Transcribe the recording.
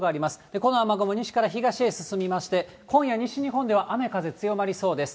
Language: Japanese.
この雨雲、西から東へ進みまして、今夜、西日本では雨、風強まりそうです。